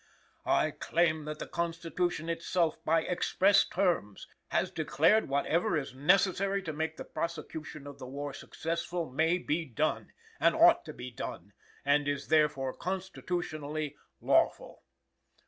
"I claim that the Constitution itself by express terms, has declared whatever is necessary to make the prosecution of the war successful, may be done, and ought to be done, and is therefore constitutionally lawful.